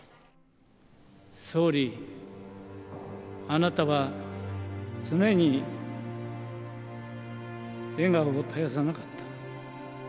あなたは常に笑顔を絶やさなかった。